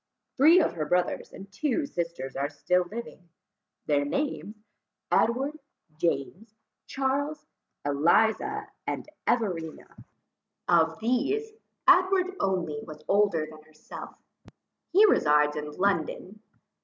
Three of her brothers and two sisters are still living; their names, Edward, James, Charles, Eliza, and Everina. Of these, Edward only was older than herself; he resides in London.